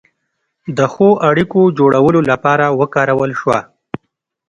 د ښو اړیکو جوړولو لپاره وکارول شوه.